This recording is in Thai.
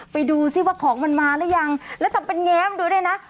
ไปดูซิว่าของมันมาหรือยังแล้วทำเป็นแง้มดูด้วยนะ